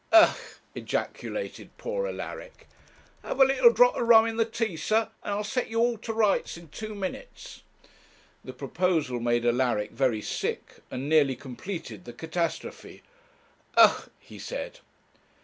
'Ugh!' ejaculated poor Alaric. 'Have a leetle drop o' rum in the tea, sir, and it'll set you all to rights in two minutes.' The proposal made Alaric very sick, and nearly completed the catastrophe. 'Ugh!' he said.